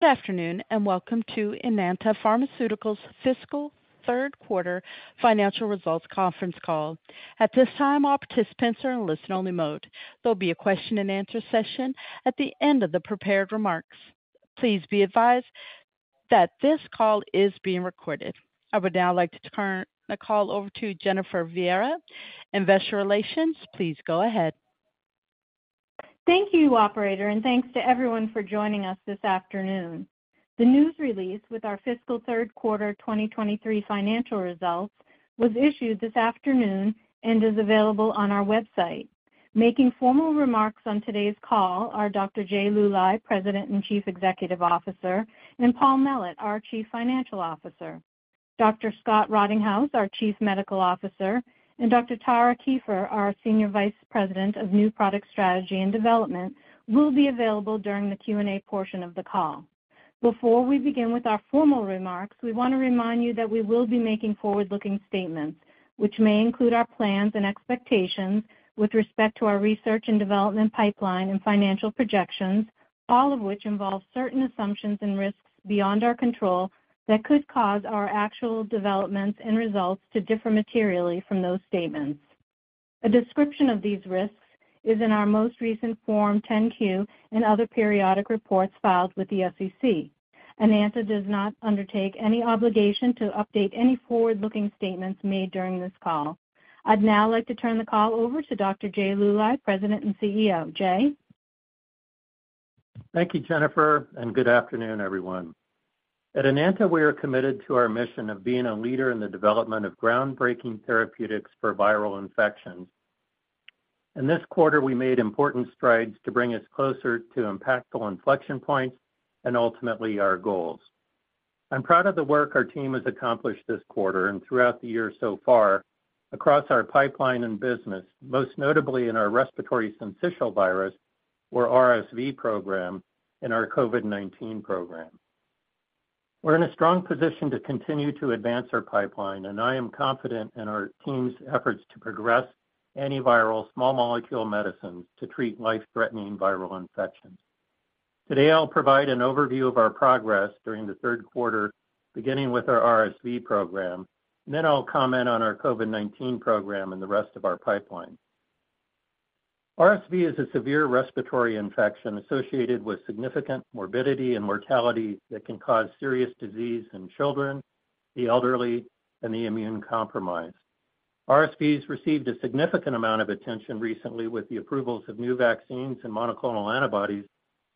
Good afternoon, and welcome to Enanta Pharmaceuticals' fiscal third quarter financial results conference call. At this time, all participants are in listen-only mode. There'll be a question and answer session at the end of the prepared remarks. Please be advised that this call is being recorded. I would now like to turn the call over to Jennifer Viera, Investor Relations. Please go ahead. Thank you, operator, thanks to everyone for joining us this afternoon. The news release with our fiscal third quarter 2023 financial results was issued this afternoon and is available on our website. Making formal remarks on today's call are Dr. Jay Luly, president and chief executive officer, and Paul Mellett, our chief financial officer. Dr. Scott Rottinghaus, our chief medical officer, and Dr. Tara Kieffer, our senior vice president of new product strategy and development, will be available during the Q&A portion of the call. Before we begin with our formal remarks, we want to remind you that we will be making forward-looking statements, which may include our plans and expectations with respect to our research and development pipeline and financial projections, all of which involve certain assumptions and risks beyond our control that could cause our actual developments and results to differ materially from those statements. A description of these risks is in our most recent Form 10-Q and other periodic reports filed with the SEC. Enanta does not undertake any obligation to update any forward-looking statements made during this call. I'd now like to turn the call over to Dr. Jay Luly, President and CEO. Jay? Thank you, Jennifer, and good afternoon, everyone. At Enanta, we are committed to our mission of being a leader in the development of groundbreaking therapeutics for viral infections. In this quarter, we made important strides to bring us closer to impactful inflection points and ultimately our goals. I'm proud of the work our team has accomplished this quarter and throughout the year so far across our pipeline and business, most notably in our respiratory syncytial virus, or RSV program, and our COVID-19 program. We're in a strong position to continue to advance our pipeline, and I am confident in our team's efforts to progress antiviral small molecule medicines to treat life-threatening viral infections. Today, I'll provide an overview of our progress during the third quarter, beginning with our RSV program. Then I'll comment on our COVID-19 program and the rest of our pipeline. RSV is a severe respiratory infection associated with significant morbidity and mortality that can cause serious disease in children, the elderly, and the immune-compromised. RSV has received a significant amount of attention recently with the approvals of new vaccines and monoclonal antibodies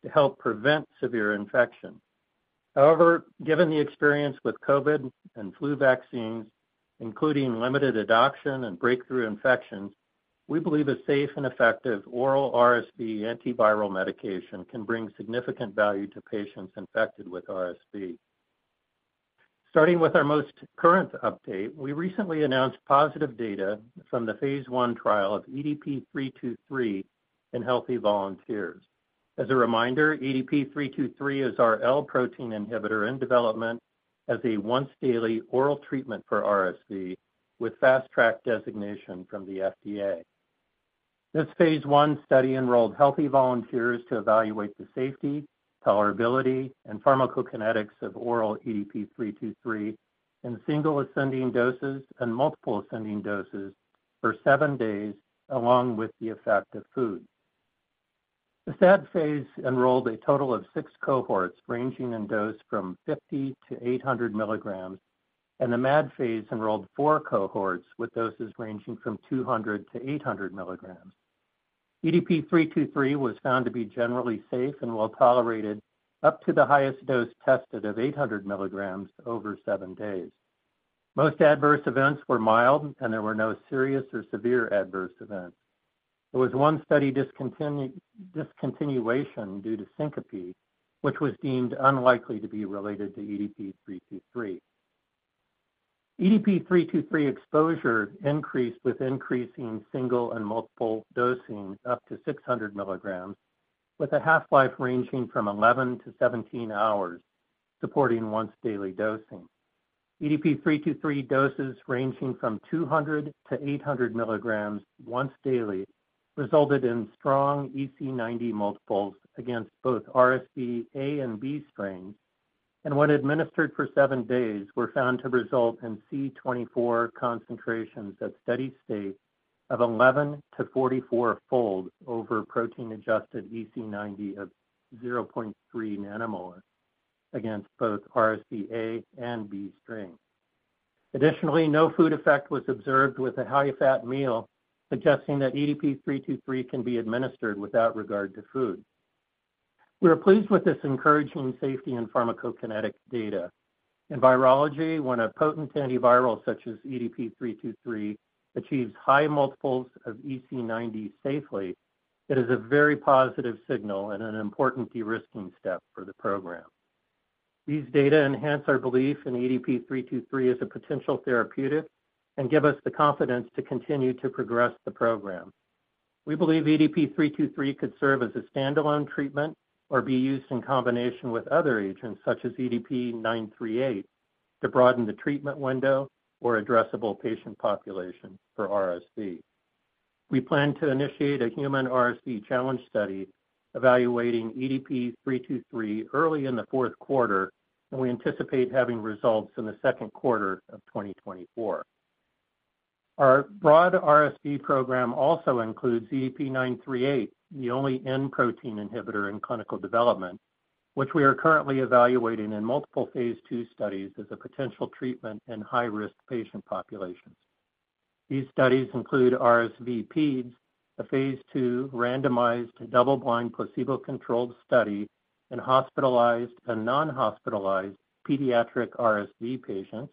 to help prevent severe infection. However, given the experience with COVID and flu vaccines, including limited adoption and breakthrough infections, we believe a safe and effective oral RSV antiviral medication can bring significant value to patients infected with RSV. Starting with our most current update, we recently announced positive data from the phase I trial of EDP-323 in healthy volunteers. As a reminder, EDP-323 is our L-protein inhibitor in development as a once-daily oral treatment for RSV, with Fast Track designation from the FDA. This phase I study enrolled healthy volunteers to evaluate the safety, tolerability, and pharmacokinetics of oral EDP-323 in single ascending doses and multiple ascending doses for seven days, along with the effect of food. The SAD phase enrolled a total of six cohorts, ranging in dose from 50 mg-800 mg, and the MAD phase enrolled four cohorts, with doses ranging from 200 mg-800 mg. EDP-323 was found to be generally safe and well-tolerated up to the highest dose tested of 800 mg over seven days. Most adverse events were mild, and there were no serious or severe adverse events. There was one study discontinuation due to syncope, which was deemed unlikely to be related to EDP-323. EDP-323 exposure increased with increasing single and multiple dosing up to 600 mg, with a half-life ranging from 11-17 hours, supporting once-daily dosing. EDP-323 doses ranging from 200 mg-800 mg once daily resulted in strong EC90 multiples against both RSV A and B strains, and when administered for seven days, were found to result in C24 concentrations at steady state of 11-44 fold over protein-adjusted EC90 of 0.3 nanomolar against both RSV A and B strains. Additionally, no food effect was observed with a high-fat meal, suggesting that EDP-323 can be administered without regard to food. We are pleased with this encouraging safety and pharmacokinetic data. In virology, when a potent antiviral such as EDP-323 achieves high multiples of EC90 safely, it is a very positive signal and an important de-risking step for the program. These data enhance our belief in EDP-323 as a potential therapeutic and give us the confidence to continue to progress the program. We believe EDP-323 could serve as a standalone treatment or be used in combination with other agents, such as EDP-938, to broaden the treatment window or addressable patient population for RSV. We plan to initiate a human RSV challenge study evaluating EDP-323 early in the fourth quarter, we anticipate having results in the second quarter of 2024. Our broad RSV program also includes EDP-938, the only N-protein inhibitor in clinical development, which we are currently evaluating in multiple phase II studies as a potential treatment in high-risk patient populations. These studies include RSV-Peds, a phase II randomized, double-blind, placebo-controlled study in hospitalized and non-hospitalized pediatric RSV patients;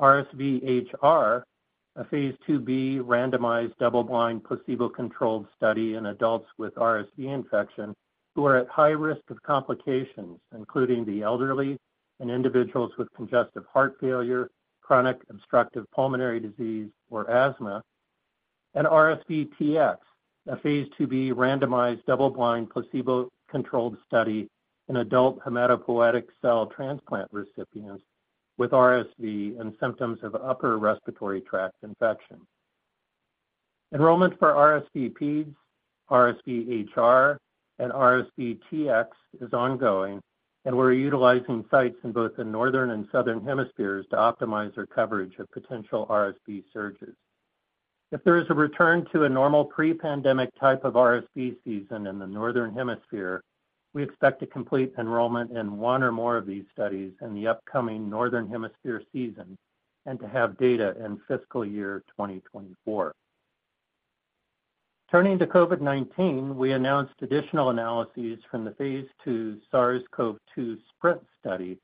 RSV-HR, a phase II-B randomized, double-blind, placebo-controlled study in adults with RSV infection who are at high risk of complications, including the elderly and individuals with congestive heart failure, chronic obstructive pulmonary disease, or asthma; and RSVTx, a phase II-B randomized, double-blind, placebo-controlled study in adult hematopoietic cell transplant recipients with RSV and symptoms of upper respiratory tract infection. Enrollment for RSV-Peds, RSV-HR, and RSVTx is ongoing, we're utilizing sites in both the northern and southern hemispheres to optimize our coverage of potential RSV surges. If there is a return to a normal pre-pandemic type of RSV season in the northern hemisphere, we expect to complete enrollment in one or more of these studies in the upcoming northern hemisphere season and to have data in fiscal year 2024. Turning to COVID-19, we announced additional analyses from the phase II SARS-CoV-2 SPRINT study,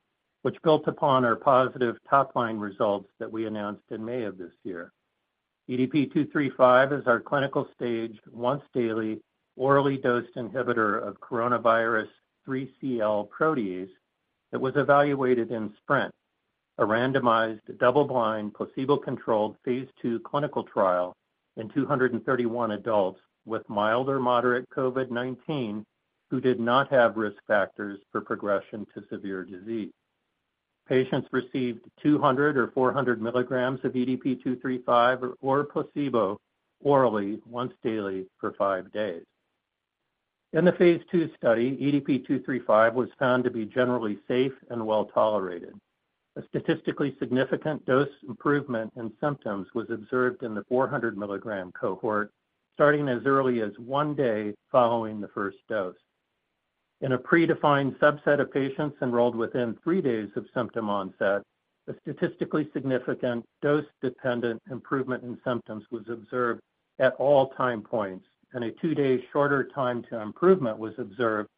which built upon our positive top-line results that we announced in May of this year. EDP-235 is our clinical-stage, once-daily, orally dosed inhibitor of coronavirus 3CL protease that was evaluated in SPRINT, a randomized, double-blind, placebo-controlled phase II clinical trial in 231 adults with mild or moderate COVID-19 who did not have risk factors for progression to severe disease. Patients received 200 mg or 400 mg of EDP-235 or placebo orally once daily for five days. In the phase II study, EDP-235 was found to be generally safe and well-tolerated. A statistically significant dose improvement in symptoms was observed in the 400 mg cohort, starting as early as one day following the first dose. In a predefined subset of patients enrolled within three days of symptom onset, a statistically significant dose-dependent improvement in symptoms was observed at all time points, and a two-day shorter time to improvement was observed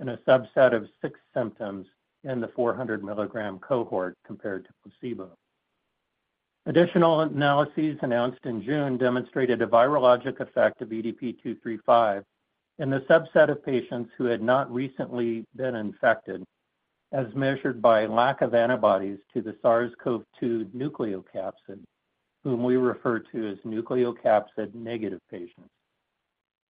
in a subset of six symptoms in the 400 mg cohort compared to placebo. Additional analyses announced in June demonstrated a virologic effect of EDP-235 in the subset of patients who had not recently been infected, as measured by lack of antibodies to the SARS-CoV-2 nucleocapsid, whom we refer to as nucleocapsid-negative patients.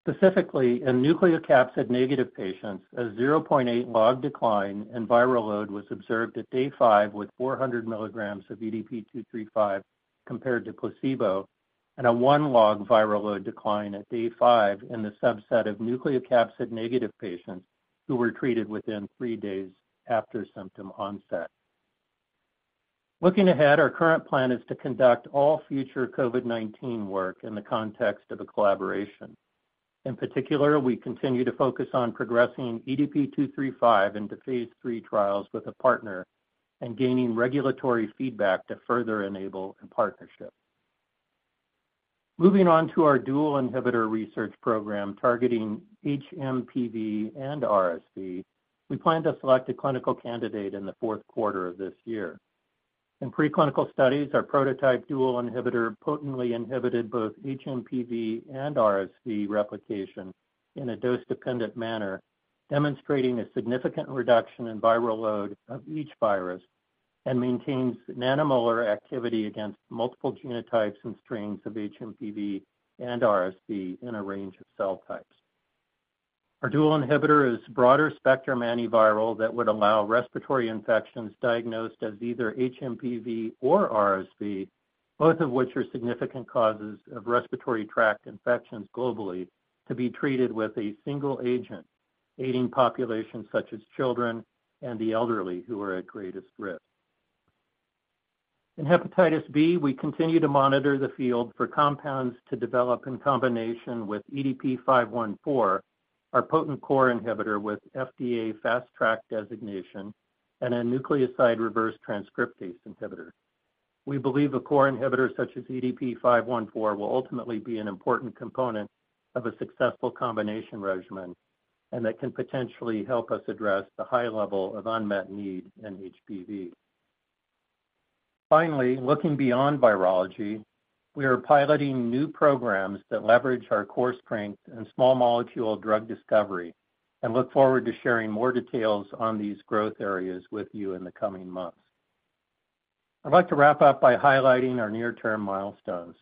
Specifically, in nucleocapsid-negative patients, a 0.8 log decline in viral load was observed at day 5 with 400 mg of EDP-235 compared to placebo, and a one log viral load decline at day 5 in the subset of nucleocapsid-negative patients who were treated within three days after symptom onset. Looking ahead, our current plan is to conduct all future COVID-19 work in the context of a collaboration. In particular, we continue to focus on progressing EDP-235 into phase III trials with a partner and gaining regulatory feedback to further enable a partnership. Moving on to our dual inhibitor research program targeting hMPV and RSV, we plan to select a clinical candidate in the fourth quarter of this year. In preclinical studies, our prototype dual inhibitor potently inhibited both hMPV and RSV replication in a dose-dependent manner, demonstrating a significant reduction in viral load of each virus and maintains nanomolar activity against multiple genotypes and strains of hMPV and RSV in a range of cell types. Our dual inhibitor is a broader-spectrum antiviral that would allow respiratory infections diagnosed as either hMPV or RSV, both of which are significant causes of respiratory tract infections globally, to be treated with a single agent, aiding populations such as children and the elderly, who are at greatest risk. In hepatitis B, we continue to monitor the field for compounds to develop in combination with EDP-514, our potent core inhibitor with FDA Fast Track designation and a nucleoside reverse transcriptase inhibitor. We believe a core inhibitor such as EDP-514 will ultimately be an important component of a successful combination regimen and that can potentially help us address the high level of unmet need in HBV. Finally, looking beyond virology, we are piloting new programs that leverage our core strength in small molecule drug discovery and look forward to sharing more details on these growth areas with you in the coming months. I'd like to wrap up by highlighting our near-term milestones.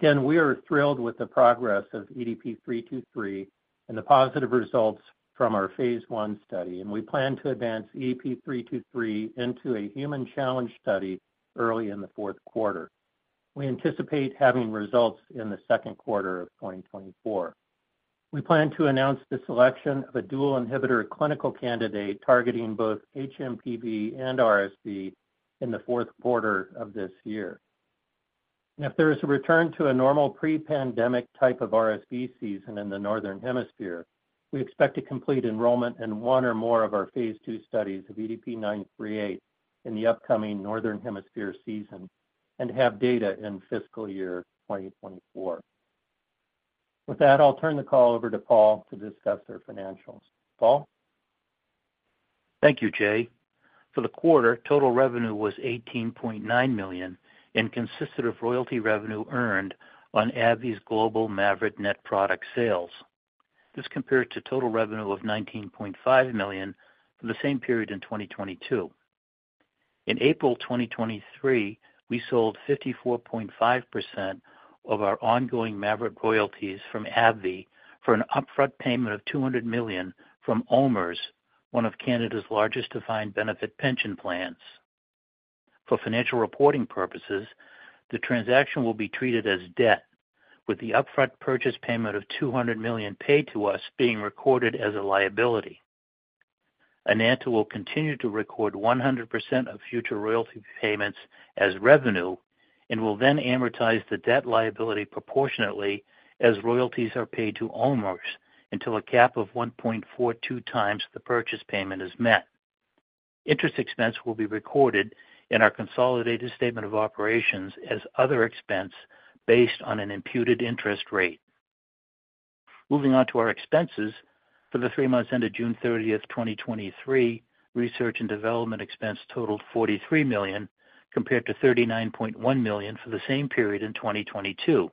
Again, we are thrilled with the progress of EDP-323 and the positive results from our phase I study, and we plan to advance EDP-323 into a human challenge study early in the fourth quarter. We anticipate having results in the second quarter of 2024. We plan to announce the selection of a dual inhibitor clinical candidate targeting both hMPV and RSV in the fourth quarter of this year. If there is a return to a normal pre-pandemic type of RSV season in the Northern Hemisphere, we expect to complete enrollment in one or more of our phase II studies of EDP-938 in the upcoming Northern Hemisphere season and have data in fiscal year 2024. With that, I'll turn the call over to Paul to discuss our financials. Paul? Thank you, Jay. For the quarter, total revenue was $18.9 million and consisted of royalty revenue earned on AbbVie's global MAVYRET net product sales. This compared to total revenue of $19.5 million for the same period in 2022. In April 2023, we sold 54.5% of our ongoing MAVYRET royalties from AbbVie for an upfront payment of $200 million from OMERS, one of Canada's largest defined benefit pension plans. For financial reporting purposes, the transaction will be treated as debt, with the upfront purchase payment of $200 million paid to us being recorded as a liability. Enanta will continue to record 100% of future royalty payments as revenue, and will then amortize the debt liability proportionately as royalties are paid to OMERS until a cap of 1.42 times the purchase payment is met. Interest expense will be recorded in our consolidated statement of operations as other expense based on an imputed interest rate. Moving on to our expenses. For the three months ended June 30th, 2023, research and development expense totaled $43 million, compared to $39.1 million for the same period in 2022.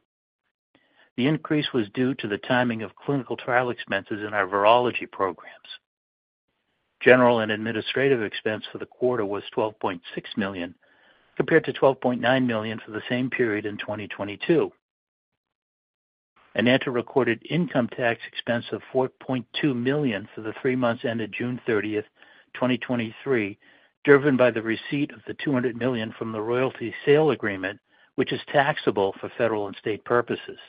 General and administrative expense for the quarter was $12.6 million, compared to $12.9 million for the same period in 2022. Enanta recorded income tax expense of $4.2 million for the three months ended June 30th, 2023, driven by the receipt of the $200 million from the royalty sale agreement, which is taxable for federal and state purposes.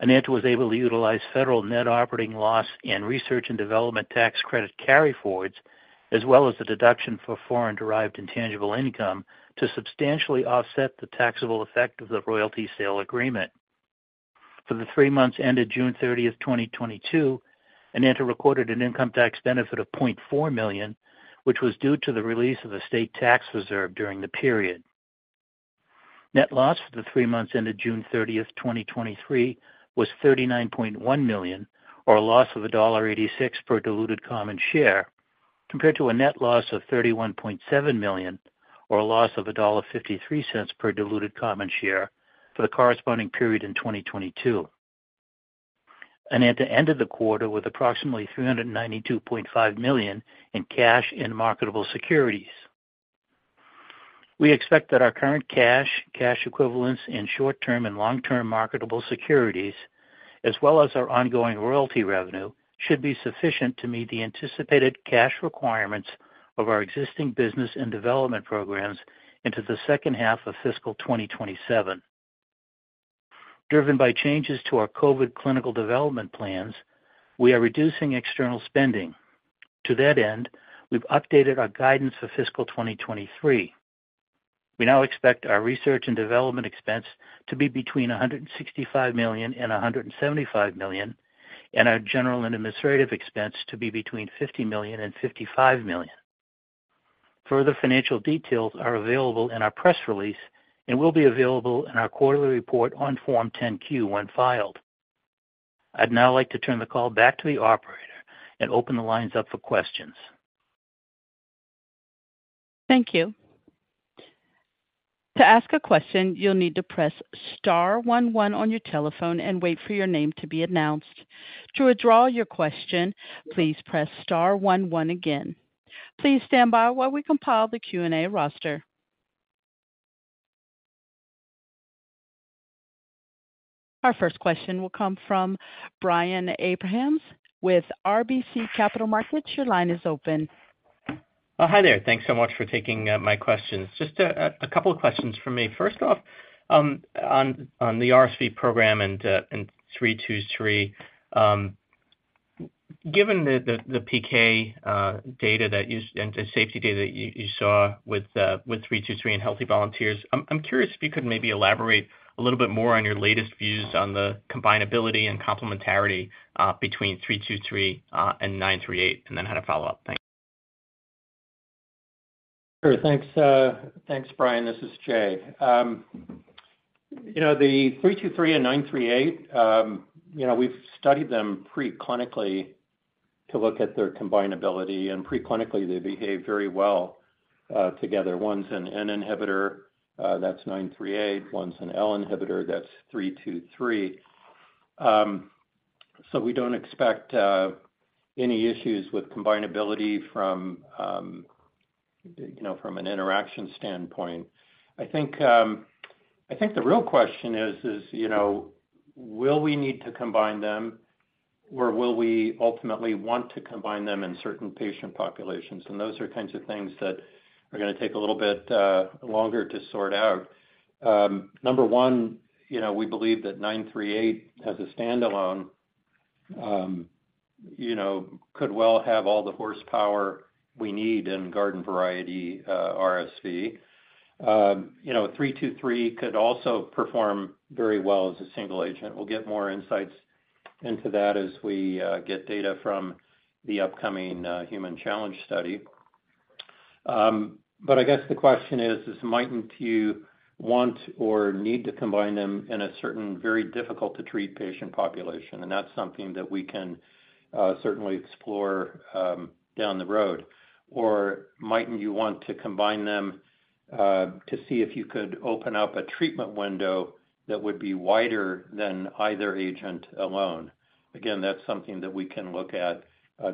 Enanta was able to utilize federal net operating loss and research and development tax credit carryforwards, as well as the deduction for foreign-derived intangible income, to substantially offset the taxable effect of the royalty sale agreement. For the three months ended June 30th, 2022, Enanta recorded an income tax benefit of $0.4 million, which was due to the release of a state tax reserve during the period. Net loss for the three months ended June 30th, 2023, was $39.1 million, or a loss of $1.86 per diluted common share, compared to a net loss of $31.7 million, or a loss of $1.53 per diluted common share for the corresponding period in 2022. Enanta ended the quarter with approximately $392.5 million in cash and marketable securities. We expect that our current cash, cash equivalents, and short-term and long-term marketable securities, as well as our ongoing royalty revenue, should be sufficient to meet the anticipated cash requirements of our existing business and development programs into the second half of fiscal 2027. Driven by changes to our COVID clinical development plans, we are reducing external spending. To that end, we've updated our guidance for fiscal 2023. We now expect our research and development expense to be between $165 million and $175 million, and our general and administrative expense to be between $50 million and $55 million. Further financial details are available in our press release and will be available in our quarterly report on Form 10-Q when filed. I'd now like to turn the call back to the operator and open the lines up for questions. Thank you. To ask a question, you'll need to press star one one on your telephone and wait for your name to be announced. To withdraw your question, please press star one one again. Please stand by while we compile the Q&A roster. Our first question will come from Brian Abrahams with RBC Capital Markets. Your line is open. Hi there. Thanks so much for taking my questions. Just a couple of questions from me. First off, on the RSV program and EDP-323, given the PK data that you and the safety data that you saw with EDP-323 in healthy volunteers, I'm curious if you could maybe elaborate a little bit more on your latest views on the combinability and complementarity between EDP-323 and EDP-938, and then had a follow-up. Thanks. Sure. Thanks, Brian. This is Jay. You know, the EDP-323 and EDP-938, you know, we've studied them pre-clinically to look at their combinability, and pre-clinically, they behave very well together. One's an N-protein inhibitor, that's EDP-938, one's an L-protein inhibitor, that's EDP-323. We don't expect any issues with combinability from, you know, from an interaction standpoint. I think, I think the real question is, is, you know, will we need to combine them, or will we ultimately want to combine them in certain patient populations? Those are the kinds of things that are gonna take a little bit longer to sort out. Number 1, you know, we believe that EDP-938 as a standalone-... you know, could well have all the horsepower we need in garden variety RSV. you know, EDP-323 could also perform very well as a single agent. We'll get more insights into that as we get data from the upcoming human challenge study. I guess the question is, is mightn't you want or need to combine them in a certain, very difficult to treat patient population? That's something that we can certainly explore down the road. Mightn't you want to combine them to see if you could open up a treatment window that would be wider than either agent alone? Again, that's something that we can look at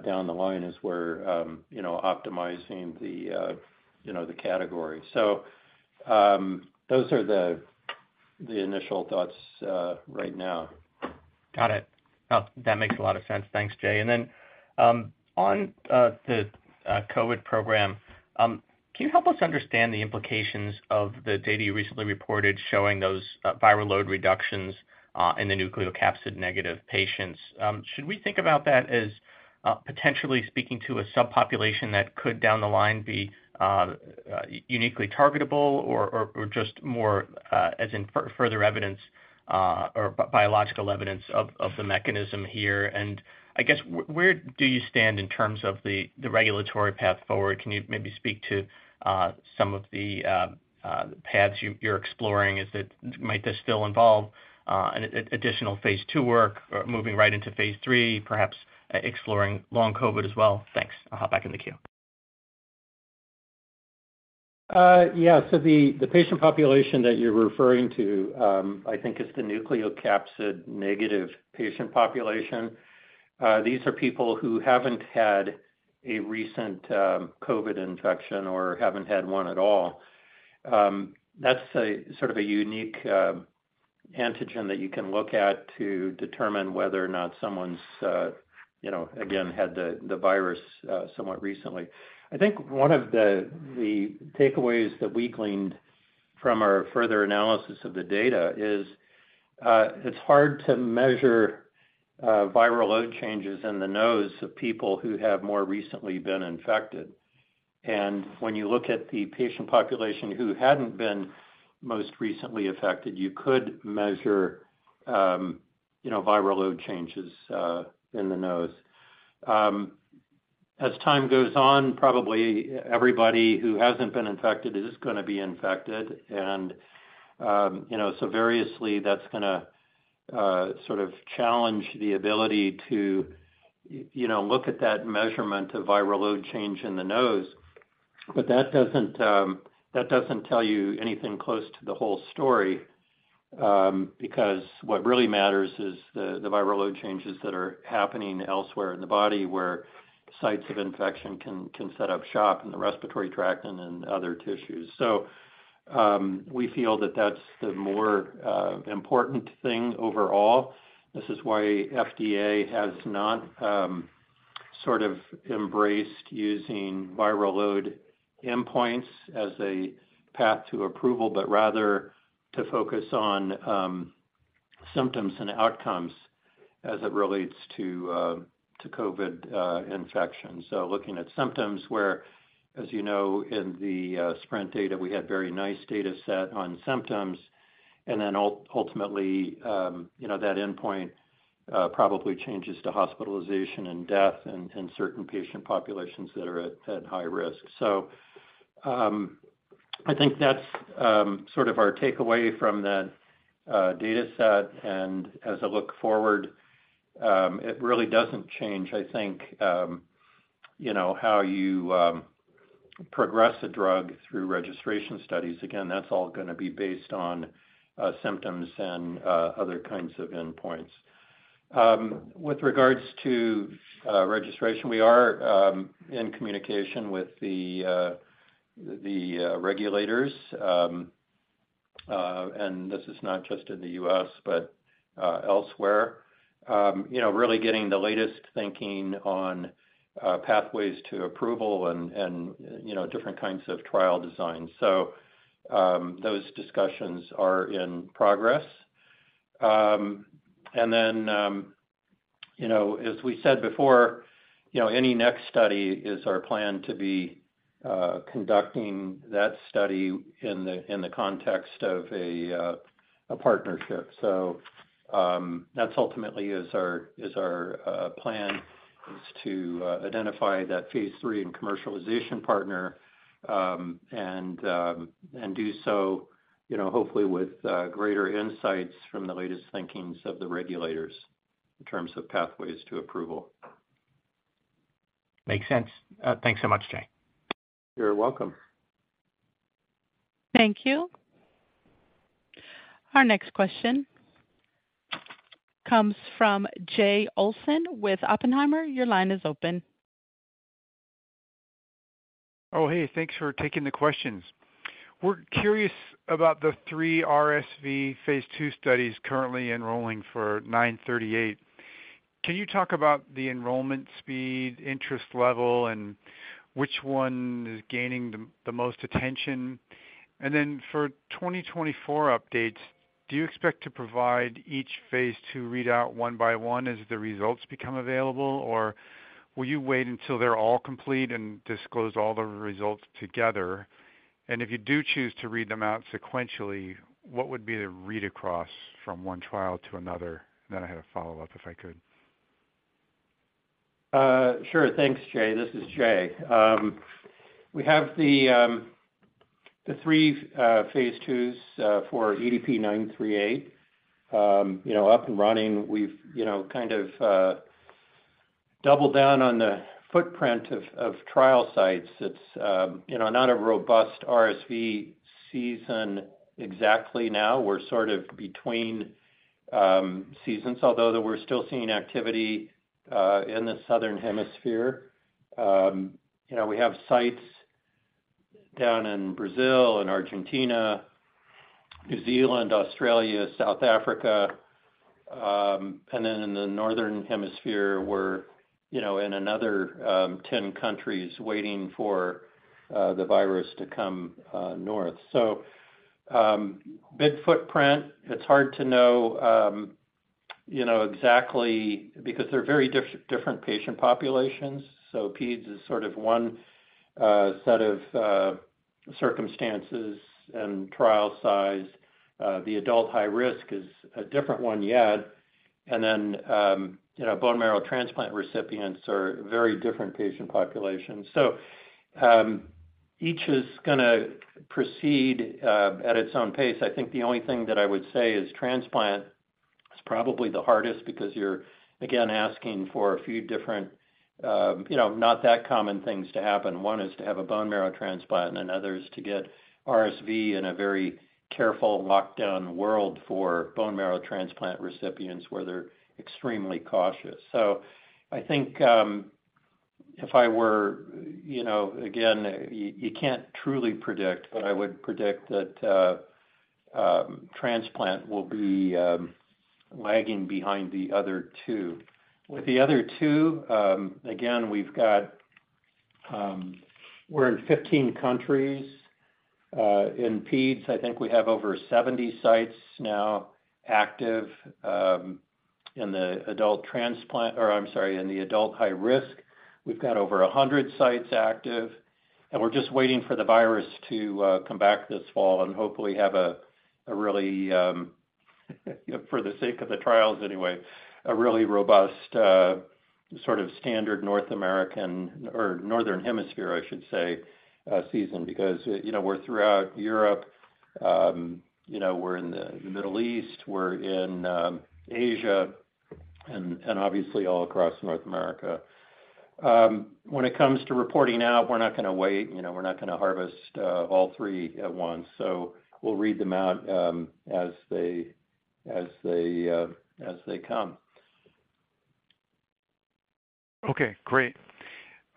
down the line as we're, you know, optimizing the, you know, the category. Those are the, the initial thoughts right now. Got it. Oh, that makes a lot of sense. Thanks, Jay. Then on the COVID program, can you help us understand the implications of the data you recently reported showing those viral load reductions in the nucleocapsid-negative patients? Should we think about that as potentially speaking to a subpopulation that could, down the line, be uniquely targetable, or, or, or just more as in further evidence, or biological evidence of the mechanism here? I guess, where do you stand in terms of the regulatory path forward? Can you maybe speak to some of the paths you're exploring? Might this still involve an additional phase II work or moving right into phase III, perhaps, exploring Long COVID as well? Thanks. I'll hop back in the queue. Yeah. The, the patient population that you're referring to, I think is the nucleocapsid-negative patient population. These are people who haven't had a recent COVID infection or haven't had one at all. That's a, sort of a unique antigen that you can look at to determine whether or not someone's, you know, again, had the, the virus somewhat recently. I think one of the, the takeaways that we gleaned from our further analysis of the data is, it's hard to measure viral load changes in the nose of people who have more recently been infected. And when you look at the patient population who hadn't been most recently affected, you could measure, you know, viral load changes in the nose. As time goes on, probably everybody who hasn't been infected is gonna be infected. You know, so variously, that's gonna sort of challenge the ability to, you know, look at that measurement of viral load change in the nose. That doesn't, that doesn't tell you anything close to the whole story, because what really matters is the viral load changes that are happening elsewhere in the body, where sites of infection can, can set up shop in the respiratory tract and in other tissues. We feel that that's the more important thing overall. This is why FDA has not sort of embraced using viral load endpoints as a path to approval, but rather to focus on symptoms and outcomes as it relates to COVID infections. Looking at symptoms where, as you know, in the SPRINT data, we had very nice data set on symptoms. Then ult- ultimately, you know, that endpoint, probably changes to hospitalization and death in certain patient populations that are at high risk. I think that's sort of our takeaway from the data set. As I look forward, it really doesn't change, I think, you know, how you progress a drug through registration studies. Again, that's all gonna be based on symptoms and other kinds of endpoints. With regards to registration, we are in communication with the regulators, and this is not just in the U.S., but elsewhere. You know, really getting the latest thinking on pathways to approval and, and, you know, different kinds of trial designs. Those discussions are in progress. Then, you know, as we said before, you know, any next study is our plan to be conducting that study in the, in the context of a partnership. That's ultimately is our, is our plan, is to identify that phase III and commercialization partner, and do so, you know, hopefully with greater insights from the latest thinkings of the regulators in terms of pathways to approval. Makes sense. Thanks so much, Jay. You're welcome. Thank you. Our next question comes from Jay Olson with Oppenheimer. Your line is open. Oh, hey, thanks for taking the questions. We're curious about the three RSV phase II studies currently enrolling for EDP-938. Can you talk about the enrollment speed, interest level, and which one is gaining the most attention? Then for 2024 updates, do you expect to provide each phase II readout one by one as the results become available, or will you wait until they're all complete and disclose all the results together? If you do choose to read them out sequentially, what would be the read across from one trial to another? Then I had a follow-up, if I could. Sure. Thanks, Jay. This is Jay. We have the three phase IIs for EDP-938, you know, up and running. We've, you know, kind of doubled down on the footprint of trial sites. It's, you know, not a robust RSV season exactly now. We're sort of between seasons, although we're still seeing activity in the Southern Hemisphere. You know, we have sites down in Brazil and Argentina, New Zealand, Australia, South Africa, and then in the Northern Hemisphere, we're, you know, in another 10 countries waiting for the virus to come north. Big footprint, it's hard to know, you know, exactly because they're very different patient populations. Peds is sort of 1 set of circumstances and trial size. The adult high risk is a different one yet, you know, bone marrow transplant recipients are a very different patient population. Each is gonna proceed at its own pace. I think the only thing that I would say is transplant is probably the hardest because you're, again, asking for a few different, you know, not that common things to happen. One is to have a bone marrow transplant, and another is to get RSV in a very careful, locked-down world for bone marrow transplant recipients, where they're extremely cautious. I think, if I were, you know, again, you, you can't truly predict, but I would predict that transplant will be lagging behind the other two. With the other two, again, we've got. We're in 15 countries. In peds, I think we have over 70 sites now active. In the adult transplant, or I'm sorry, in the adult high risk, we've got over 100 sites active. We're just waiting for the virus to come back this fall and hopefully have a really, for the sake of the trials anyway, a really robust sort of standard North American, or Northern Hemisphere, I should say, season. You know, we're throughout Europe, you know, we're in the Middle East, we're in Asia and obviously all across North America. When it comes to reporting out, we're not gonna wait, you know, we're not gonna harvest all 3 at once. We'll read them out as they, as they, as they come. Okay, great.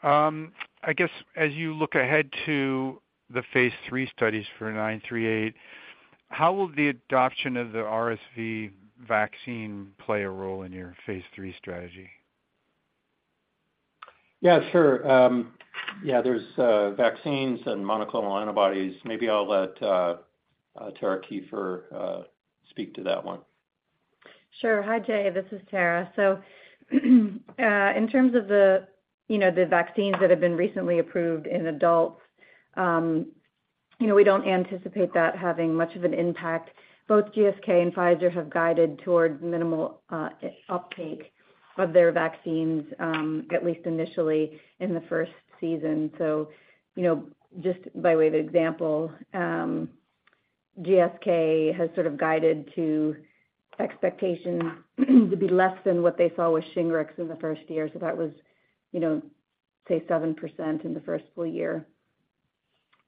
I guess as you look ahead to the phase III studies for EDP-938, how will the adoption of the RSV vaccine play a role in your phase III strategy? Yeah, sure. Yeah, there's vaccines and monoclonal antibodies. Maybe I'll let Tara Kieffer speak to that one. Sure. Hi, Jay, this is Tara. In terms of the, you know, the vaccines that have been recently approved in adults, you know, we don't anticipate that having much of an impact. Both GSK and Pfizer have guided toward minimal uptake of their vaccines, at least initially in the first season. You know, just by way of example, GSK has sort of guided to expectations, to be less than what they saw with Shingrix in the first year. That was, you know, say, 7% in the first full year.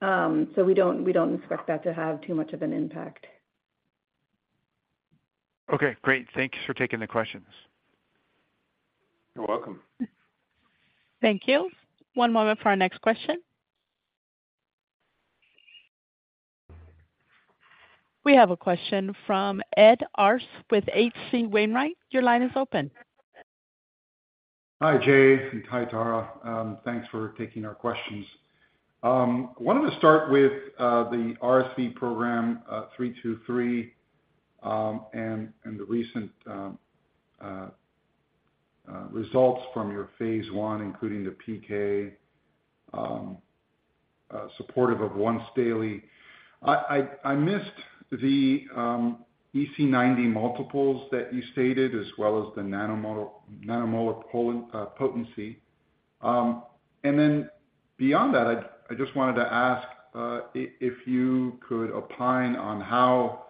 We don't, we don't expect that to have too much of an impact. Okay, great. Thank you for taking the questions. You're welcome. Thank you. One moment for our next question. We have a question from Ed Arce with H.C. Wainwright. Your line is open. Hi, Jay, and hi, Tara. Thanks for taking our questions. Wanted to start with the RSV program, EDP-323, and the recent results from your phase I, including the PK, supportive of once daily. I missed the EC90 multiples that you stated, as well as the nanomolar potency. Then beyond that, I just wanted to ask if you could opine on how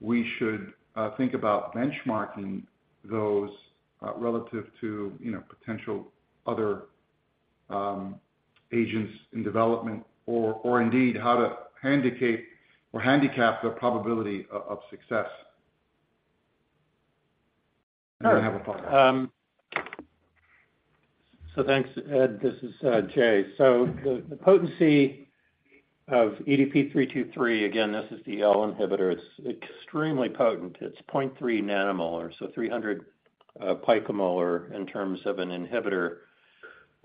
we should think about benchmarking those relative to, you know, potential other agents in development, or indeed, how to handicap or handicap the probability of success. Sure. I have a follow-up. Thanks, Ed. This is Jay. The potency of EDP-323, again, this is the L-protein inhibitor, it's extremely potent. It's 0.3 nanomolar, 300 picomolar in terms of an inhibitor.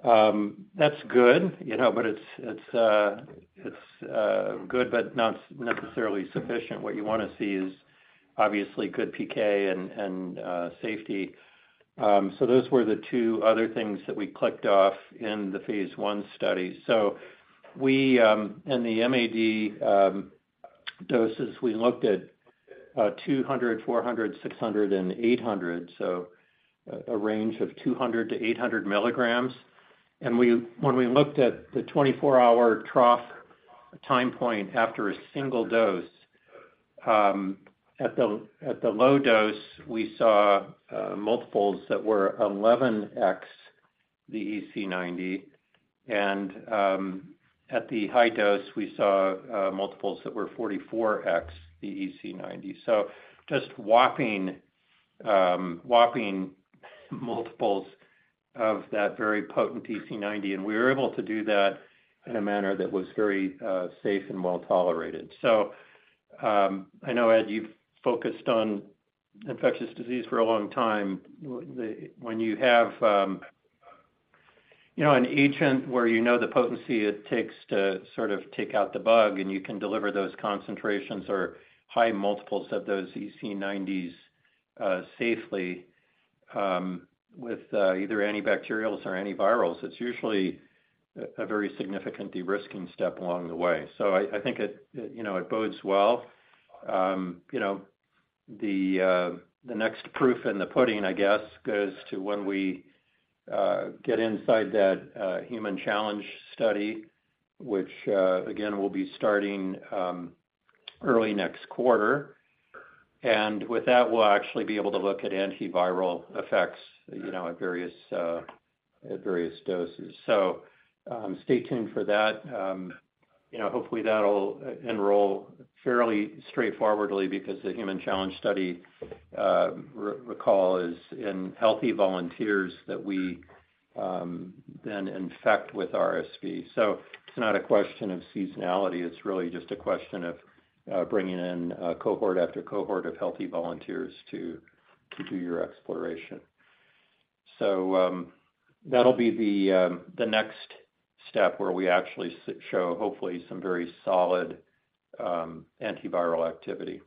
That's good, you know, but it's good but not necessarily sufficient. What you wanna see is obviously good PK and safety. Those were the two other things that we clicked off in the phase I study. We, in the MAD doses, we looked at 200, 400, 600, and 800, so a range of 200-800 milligrams. When we looked at the 24-hour trough time point after a single dose, at the low dose, we saw multiples that were 11x the EC90, at the high dose, we saw multiples that were 44x the EC90. Just whopping, whopping multiples of that very potent EC90, and we were able to do that in a manner that was very safe and well-tolerated. I know, Ed, you've focused on infectious disease for a long time. When you have, you know, an agent where you know the potency it takes to sort of take out the bug, and you can deliver those concentrations or high multiples of those EC90s, safely, with either antibacterials or antivirals, it's usually a very significant de-risking step along the way. I think you know, it bodes well. You know, the next proof in the pudding, I guess, goes to when we get inside that human challenge study, which again, will be starting early next quarter. With that, we'll actually be able to look at antiviral effects, you know, at various at various doses. Stay tuned for that. You know, hopefully, that'll enroll fairly straightforwardly because the human challenge study recall, is in healthy volunteers that we then infect with RSV. It's not a question of seasonality, it's really just a question of bringing in cohort after cohort of healthy volunteers to do your exploration. That'll be the next step where we actually show, hopefully, some very solid antiviral activity.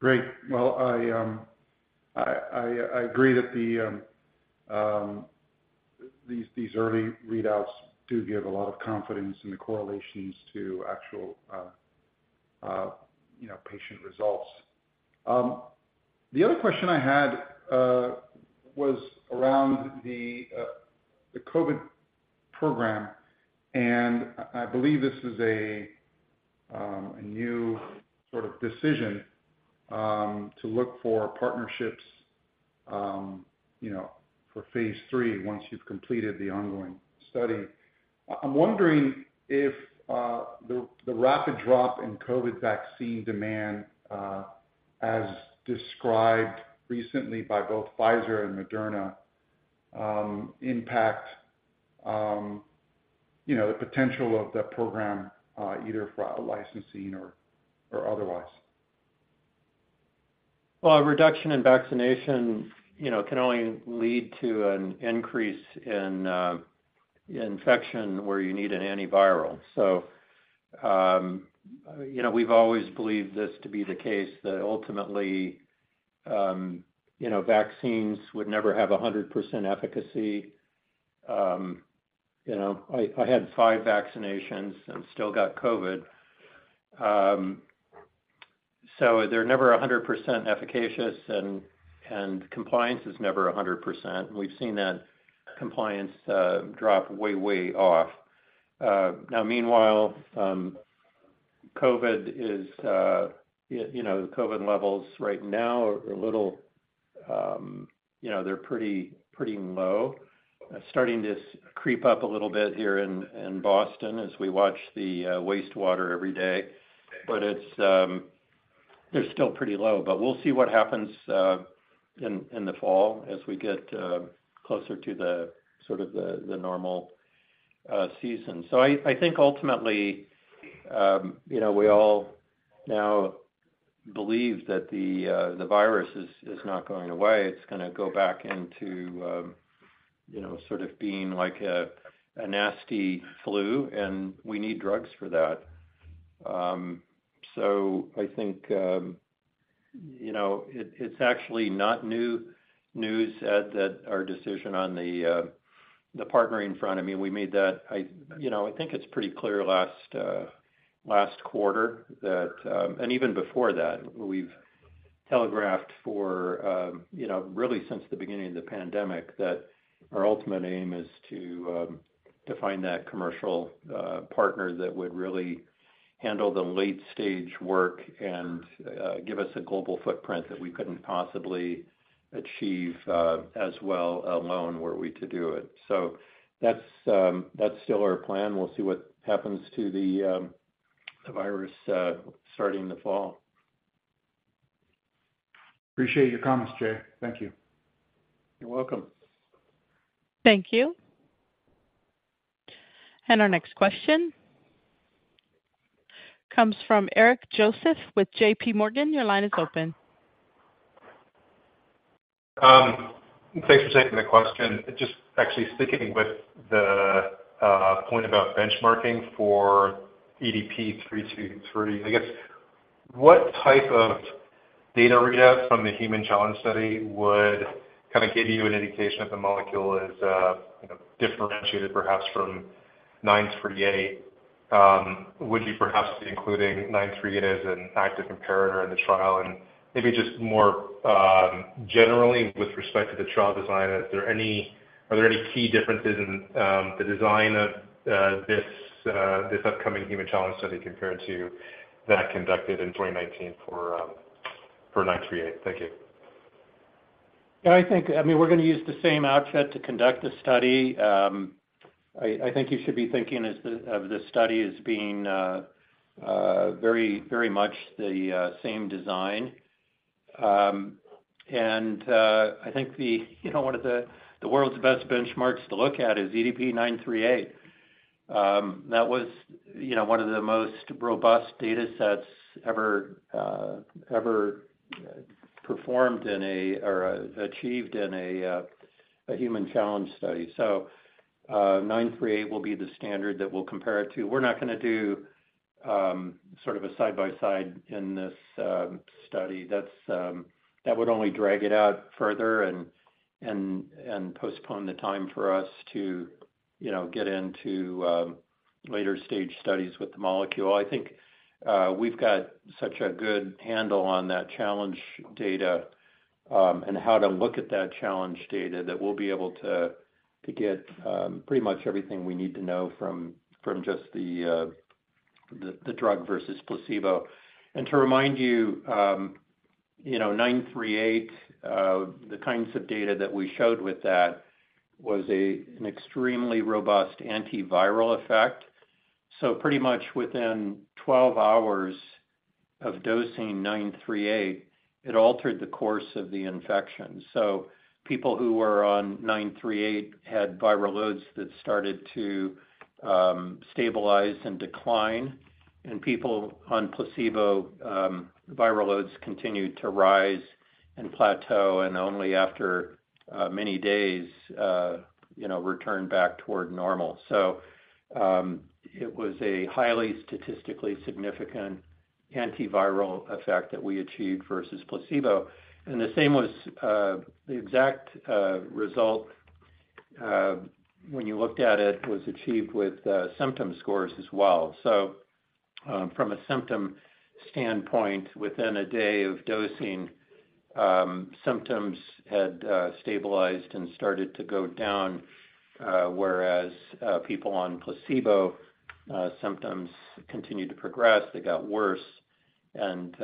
Great. Well, I, I, I agree that the, these, these early readouts do give a lot of confidence in the correlations to actual, you know, patient results. The other question I had, was around the, the COVID program, and I, I believe this is a, a new sort of decision, to look for partnerships, you know, for phase III, once you've completed the ongoing study. I'm wondering if, the, the rapid drop in COVID vaccine demand, as described recently by both Pfizer and Moderna, impact, you know, the potential of that program, either for out-licensing or, or otherwise? Well, a reduction in vaccination, you know, can only lead to an increase in infection where you need an antiviral. You know, we've always believed this to be the case, that ultimately, you know, vaccines would never have 100% efficacy. You know, I, I had five vaccinations and still got COVID. They're never 100% efficacious, and, and compliance is never 100%. We've seen that compliance drop way, way off. Now meanwhile, COVID is, you know, the COVID levels right now are a little, you know, they're pretty, pretty low. Starting to creep up a little bit here in, in Boston as we watch the wastewater every day. It's, they're still pretty low. We'll see what happens in, in the fall as we get closer to the, sort of the, the normal season. I, I think ultimately, you know, we all now believe that the virus is, is not going away. It's gonna go back into, you know, sort of being like a, a nasty flu, and we need drugs for that. I think, you know, it, it's actually not new news, Ed, that our decision on the partnering front. I mean, we made that, I-- You know, I think it's pretty clear last last quarter that, and even before that, we've telegraphed for, you know, really since the beginning of the pandemic, that our ultimate aim is to to find that commercial partner that would really handle the late-stage work and give us a global footprint that we couldn't possibly achieve as well alone, were we to do it. That's that's still our plan. We'll see what happens to the the virus starting the fall. Appreciate your comments, Jay. Thank you. You're welcome. Thank you. Our next question comes from Eric Joseph with JPMorgan. Your line is open. Thanks for taking the question. Just actually sticking with the point about benchmarking for EDP-323, I guess, what type of data read out from the human challenge study would kind of give you an indication if the molecule is, you know, differentiated perhaps from EDP-938? Would you perhaps be including EDP-938 as an active comparator in the trial? Maybe just more generally, with respect to the trial design, are there any key differences in the design of this upcoming human challenge study compared to that conducted in 2019 for EDP-938? Thank you. Yeah, I think, I mean, we're gonna use the same outfit to conduct the study. I, I think you should be thinking of this study as being very, very much the same design. I think the, you know, one of the, the world's best benchmarks to look at is EDP-938. That was, you know, one of the most robust datasets ever ever performed in a or achieved in a human challenge study. EDP-938 will be the standard that we'll compare it to. We're not gonna do sort of a side-by-side in this study. That's that would only drag it out further and, and, and postpone the time for us to, you know, get into later stage studies with the molecule. I think we've got such a good handle on that challenge data, and how to look at that challenge data, that we'll be able to, to get pretty much everything we need to know from, from just the, the drug versus placebo. To remind you, you know, EDP-938, the kinds of data that we showed with that was an extremely robust antiviral effect. Pretty much within 12 hours of dosing EDP-938, it altered the course of the infection. People who were on EDP-938 had viral loads that started to stabilize and decline, and people on placebo, viral loads continued to rise and plateau, and only after many days, you know, returned back toward normal. It was a highly statistically significant antiviral effect that we achieved versus placebo. The same was the exact result when you looked at it, was achieved with symptom scores as well. From a symptom standpoint, within a day of dosing, symptoms had stabilized and started to go down, whereas people on placebo, symptoms continued to progress. They got worse, and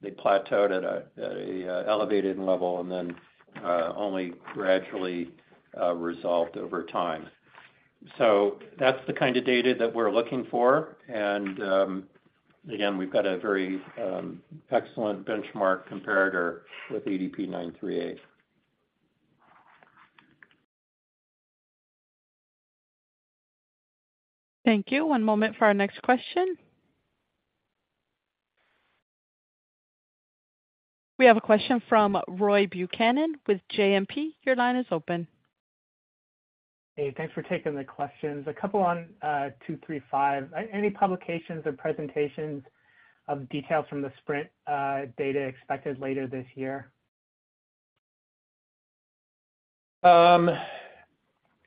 they plateaued at an elevated level and then only gradually resolved over time. That's the kind of data that we're looking for, and again, we've got a very excellent benchmark comparator with EDP-938. Thank you. One moment for our next question. We have a question from Roy Buchanan with JMP. Your line is open. Hey, thanks for taking the questions. A couple on 235. Are any publications or presentations of details from the SPRINT data expected later this year?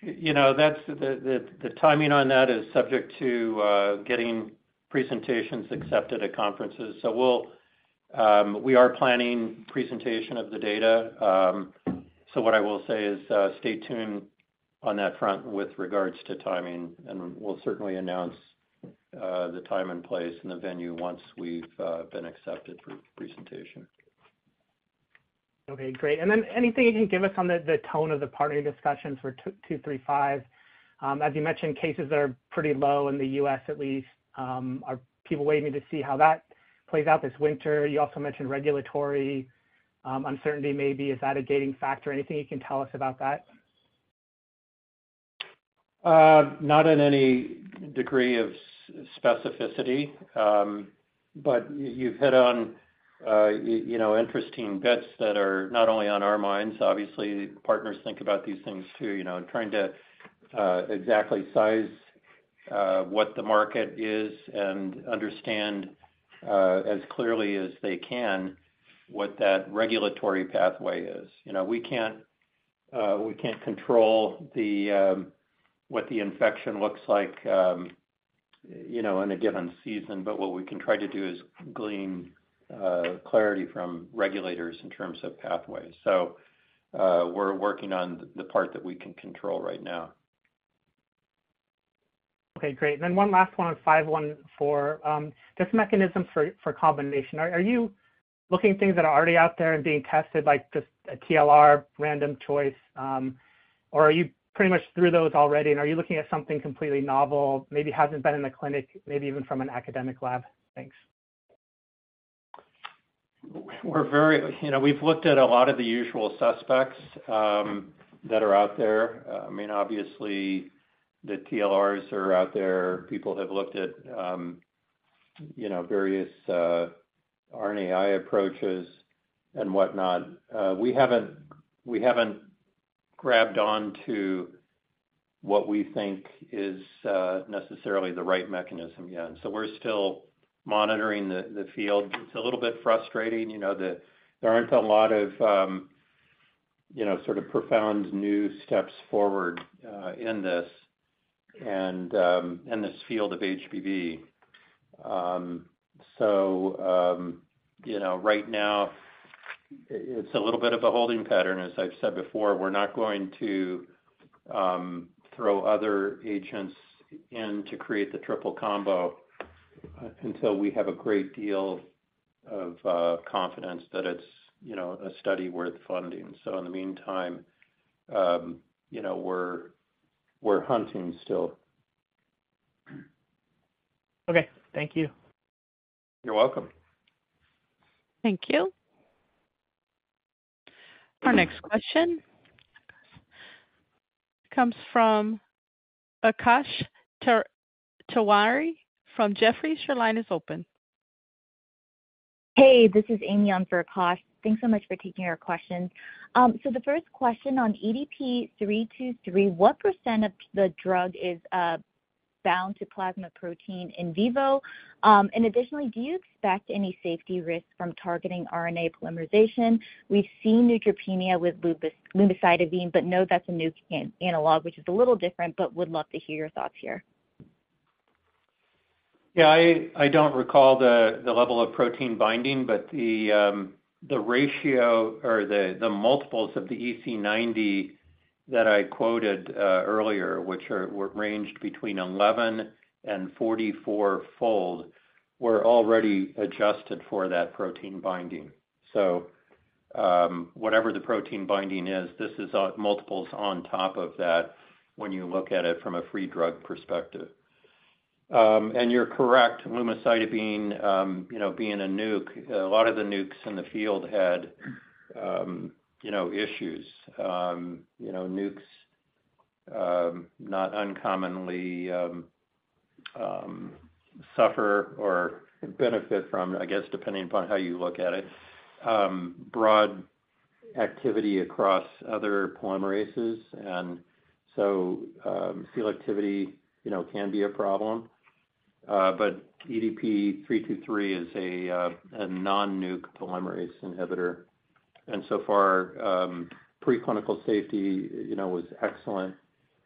you know, that's the, the, the timing on that is subject to getting presentations accepted at conferences. We'll, we are planning presentation of the data. What I will say is, stay tuned on that front with regards to timing, and we'll certainly announce the time and place and the venue once we've been accepted for presentation. Okay, great. Anything you can give us on the, the tone of the partner discussions for EDP-235? As you mentioned, cases are pretty low in the U.S. at least. Are people waiting to see how that plays out this winter? You also mentioned regulatory uncertainty maybe. Is that a gating factor? Anything you can tell us about that? Not in any degree of specificity. You've hit on, you know, interesting bits that are not only on our minds, obviously, partners think about these things too, you know, and trying to exactly size what the market is and understand as clearly as they can, what that regulatory pathway is. You know, we can't, we can't control the what the infection looks like, you know, in a given season, but what we can try to do is glean clarity from regulators in terms of pathways. We're working on the part that we can control right now. Okay, great. One last one on EDP-514. Just mechanisms for, for combination. Are, are you looking at things that are already out there and being tested, like just a TLR random choice? Or are you pretty much through those already, and are you looking at something completely novel, maybe hasn't been in the clinic, maybe even from an academic lab? Thanks.... We're very, you know, we've looked at a lot of the usual suspects that are out there. I mean, obviously, the TLRs are out there. People have looked at, you know, various RNAi approaches and whatnot. We haven't, we haven't grabbed on to what we think is necessarily the right mechanism yet, so we're still monitoring the field. It's a little bit frustrating, you know, there aren't a lot of, you know, sort of profound new steps forward in this and in this field of HBV. You know, right now it's a little bit of a holding pattern, as I've said before. We're not going to throw other agents in to create the triple combo until we have a great deal of confidence that it's, you know, a study worth funding. In the meantime, you know, we're, we're hunting still. Okay. Thank you. You're welcome. Thank you. Our next question comes from Akash Tewari from Jefferies. Your line is open. Hey, this is Amy on for Akash. Thanks so much for taking our questions. The first question on EDP-323, what percent of the drug is bound to plasma protein in vivo? Additionally, do you expect any safety risks from targeting RNA polymerization? We've seen neutropenia with lumicitabine, but know that's a nuc analog, which is a little different, but would love to hear your thoughts here. Yeah, I, I don't recall the level of protein binding, but the ratio or the multiples of the EC90 that I quoted earlier, which were ranged between 11 and 44-fold, were already adjusted for that protein binding. Whatever the protein binding is, this is multiples on top of that, when you look at it from a free drug perspective. You're correct, lumicitabine, you know, being a nuc, a lot of the nucs in the field had, you know, issues. You know, nucs, not uncommonly, suffer or benefit from, I guess, depending upon how you look at it, broad activity across other polymerases, selectivity, you know, can be a problem. EDP-323 is a, a non-nuc polymerase inhibitor, and so far, preclinical safety, you know, was excellent.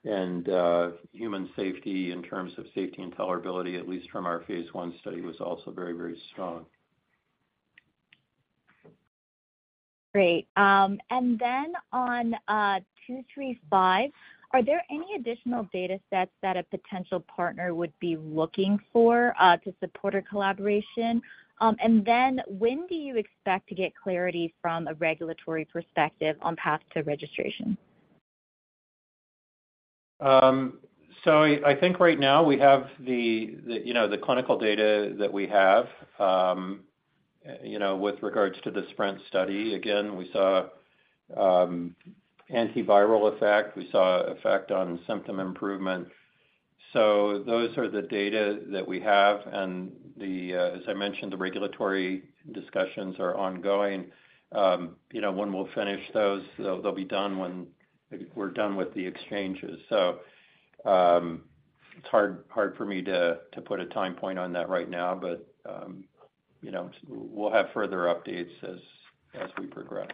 Human safety in terms of safety and tolerability, at least from our phase I study, was also very, very strong. Great. Then on EDP-235, are there any additional data sets that a potential partner would be looking for to support a collaboration? When do you expect to get clarity from a regulatory perspective on path to registration? I think right now we have the, you know, the clinical data that we have, you know, with regards to the SPRINT study. Again, we saw antiviral effect. We saw effect on symptom improvement. Those are the data that we have, and the, as I mentioned, the regulatory discussions are ongoing. You know, when we'll finish those, they'll be done when we're done with the exchanges. It's hard for me to put a time point on that right now, but, you know, we'll have further updates as, as we progress.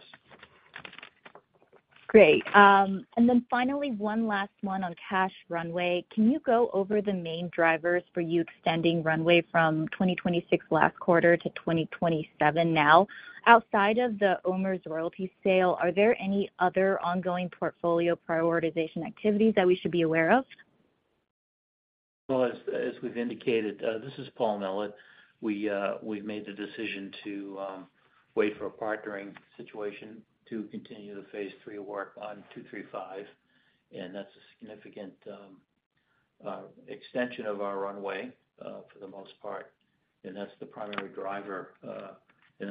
Great. Then finally, one last one on cash runway. Can you go over the main drivers for you extending runway from 2026 last quarter to 2027 now? Outside of the OMERS royalty sale, are there any other ongoing portfolio prioritization activities that we should be aware of? Well, as, as we've indicated, this is Paul Mellett. We, we've made the decision to wait for a partnering situation to continue the phase III work on EDP-235, and that's a significant extension of our runway for the most part, and that's the primary driver.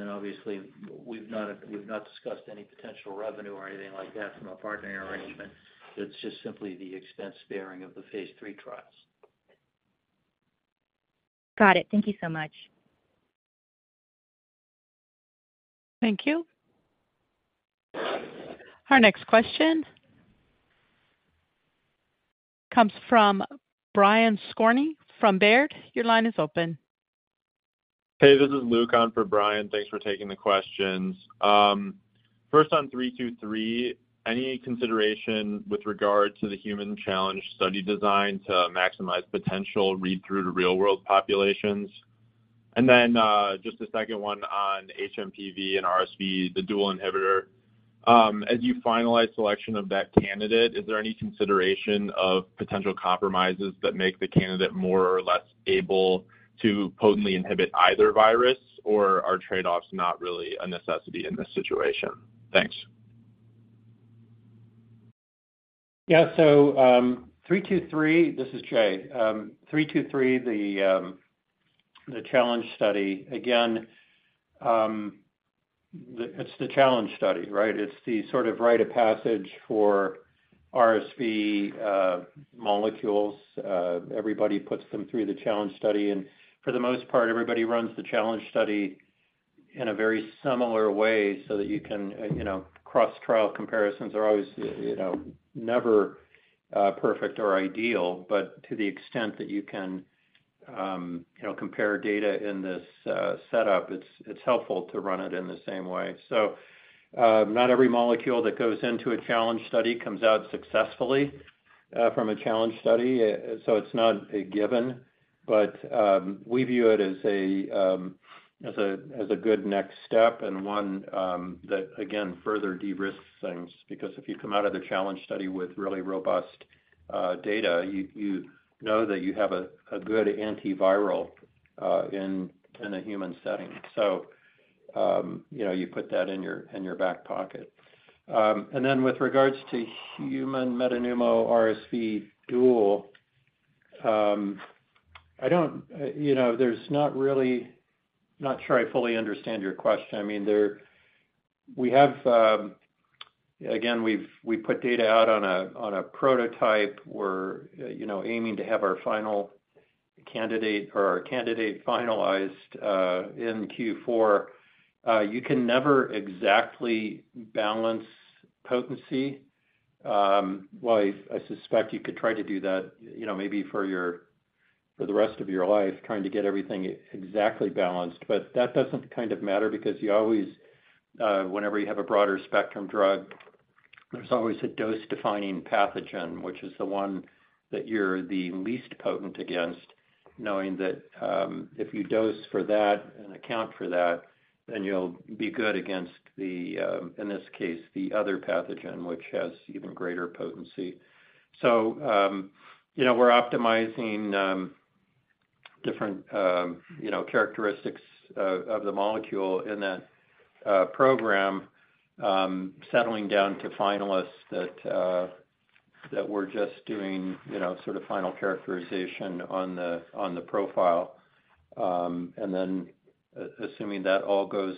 Obviously, we've not, we've not discussed any potential revenue or anything like that from a partnering arrangement. It's just simply the expense bearing of the phase III trials. Got it. Thank you so much. Thank you. Our next question comes from Brian Skorney from Baird. Your line is open. Hey, this is Luke on for Brian. Thanks for taking the questions. First on EDP-323, any consideration with regard to the human challenge study design to maximize potential read-through to real-world populations? Then, just a second one on hMPV and RSV, the dual inhibitor. As you finalize selection of that candidate, is there any consideration of potential compromises that make the candidate more or less able to potently inhibit either virus, or are trade-offs not really a necessity in this situation? Thanks. Yeah, so, EDP-323, this is Jay. EDP-323, the, the challenge study, again, the, it's the challenge study, right? It's the sort of rite of passage for RSV molecules. Everybody puts them through the challenge study, and for the most part, everybody runs the challenge study in a very similar way so that you can, you know, cross-trial comparisons are always, you know, never perfect or ideal, but to the extent that you can, you know, compare data in this setup, it's, it's helpful to run it in the same way. Not every molecule that goes into a challenge study comes out successfully from a challenge study, so it's not a given. We view it as a, as a, as a good next step and one, that, again, further de-risks things. Because if you come out of the challenge study with really robust data, you, you know that you have a good antiviral in a human setting, you know, you put that in your, in your back pocket. And then with regards to hMPV RSV dual, I don't, you know, there's not really I'm not sure I fully understand your question. I mean, there, we have, again, we've, we put data out on a, on a prototype. We're, you know, aiming to have our final candidate or our candidate finalized in Q4. You can never exactly balance potency. Well, I, I suspect you could try to do that, you know, maybe for your, for the rest of your life, trying to get everything exactly balanced, but that doesn't kind of matter because you always, whenever you have a broader spectrum drug, there's always a dose-defining pathogen, which is the one that you're the least potent against. Knowing that, if you dose for that and account for that, then you'll be good against the, in this case, the other pathogen, which has even greater potency. You know, we're optimizing different, you know, characteristics of the molecule in that program, settling down to finalists that we're just doing, you know, sort of final characterization on the profile. Assuming that all goes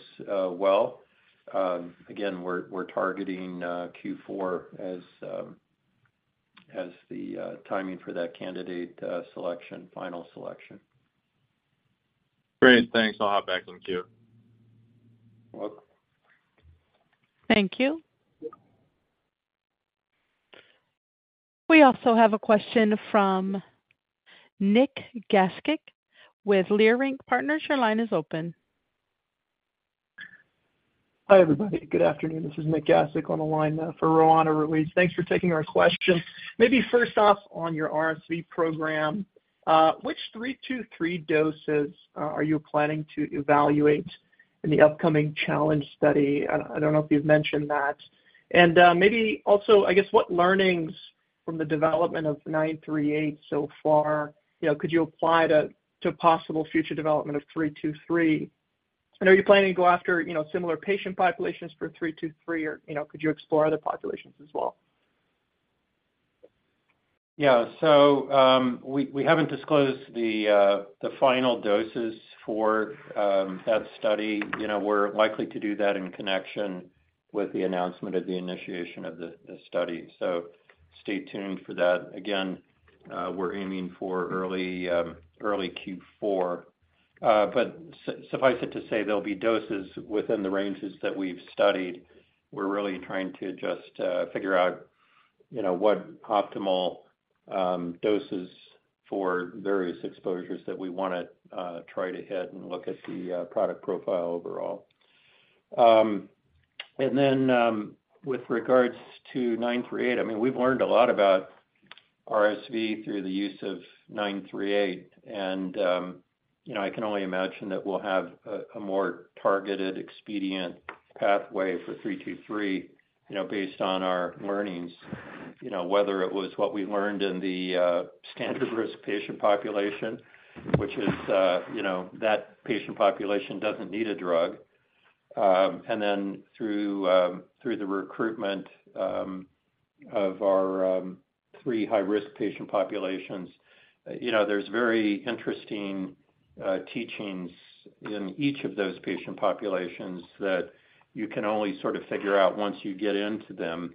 well, again, we're targeting Q4 as the timing for that candidate selection, final selection. Great. Thanks. I'll hop back in the queue. Welcome. Thank you. Yep. We also have a question from Nik Gasic with Leerink Partners. Your line is open. Hi, everybody. Good afternoon. This is Nik Gasic on the line, for Roanna Ruiz. Thanks for taking our questions. Maybe first off, on your RSV program, which EDP-323 doses are you planning to evaluate in the upcoming challenge study? I don't know if you've mentioned that. Maybe also, I guess, what learnings from the development of EDP-938 so far, you know, could you apply to possible future development of EDP-323? Are you planning to go after, you know, similar patient populations for EDP-323, or, you know, could you explore other populations as well? Yeah. We, we haven't disclosed the final doses for that study. You know, we're likely to do that in connection with the announcement of the initiation of the study, stay tuned for that. Again, we're aiming for early, early Q4. Suffice it to say, there'll be doses within the ranges that we've studied. We're really trying to just figure out, you know, what optimal doses for various exposures that we wanna try to hit and look at the product profile overall. Then, with regards to EDP-938, I mean, we've learned a lot about RSV through the use of EDP-938, and, you know, I can only imagine that we'll have a more targeted, expedient pathway for EDP-323, you know, based on our learnings. You know, whether it was what we learned in the standard-risk patient population, which is, you know, that patient population doesn't need a drug. Then through the recruitment of our three high-risk patient populations, you know, there's very interesting teachings in each of those patient populations that you can only sort of figure out once you get into them.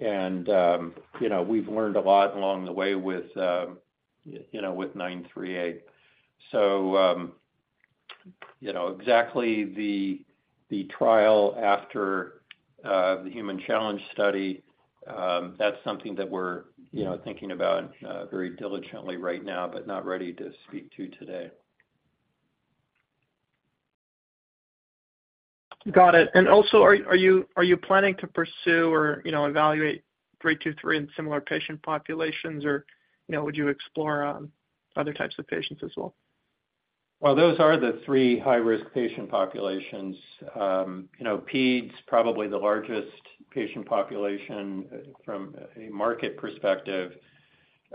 You know, we've learned a lot along the way with, you know, with EDP-938. You know, exactly the trial after the human challenge study, that's something that we're, you know, thinking about very diligently right now, but not ready to speak to today. Got it. Also, are you planning to pursue or, you know, evaluate EDP-323 in similar patient populations? You know, would you explore other types of patients as well? Well, those are the three high-risk patient populations. You know, peds, probably the largest patient population from a market perspective.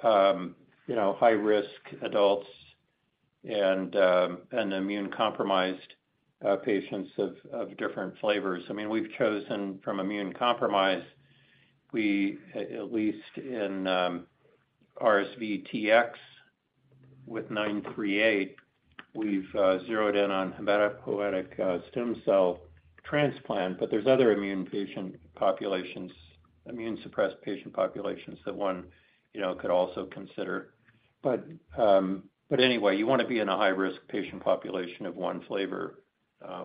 You know, high-risk adults and immune-compromised patients of different flavors. I mean, we've chosen from immune-compromised, we, at least in RSVTx with EDP-938, we've zeroed in on hematopoietic cell transplant, but there's other immune patient populations, immune-suppressed patient populations that 1, you know, could also consider. But anyway, you want to be in a high-risk patient population of 1 flavor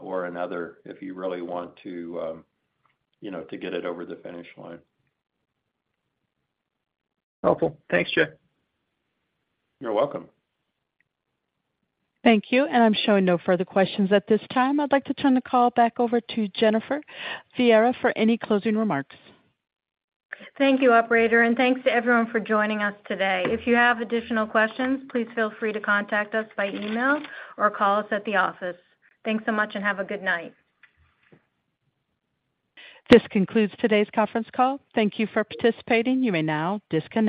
or another if you really want to, you know, to get it over the finish line. Helpful. Thanks, Jay. You're welcome. Thank you. I'm showing no further questions at this time. I'd like to turn the call back over to Jennifer Viera for any closing remarks. Thank you, operator, and thanks to everyone for joining us today. If you have additional questions, please feel free to contact us by email or call us at the office. Thanks so much and have a good night. This concludes today's conference call. Thank you for participating. You may now disconnect.